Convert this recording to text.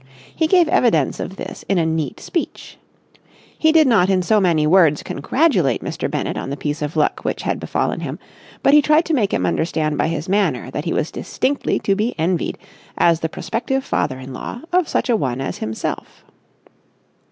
He gave evidence of this in a neat speech. He did not in so many words congratulate Mr. Bennett on the piece of luck which had befallen him, but he tried to make him understand by his manner that he was distinctly to be envied as the prospective father in law of such a one as himself.